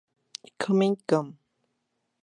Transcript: Comic Gum